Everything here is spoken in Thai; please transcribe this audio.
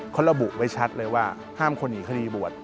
เขาระบุไว้ชัดเลยว่าห้ามคนหนีคดีบวช